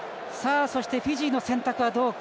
フィジーの選択はどうか。